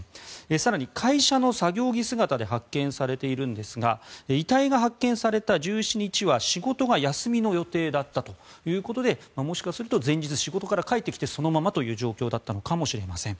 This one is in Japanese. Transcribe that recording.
更に、会社の作業着姿で発見されているんですが遺体が発見された１７日は仕事が休みの予定だったということでもしかすると前日仕事から帰ってきてそのままという状況だったのかもしれません。